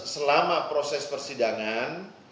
selama proses persidangan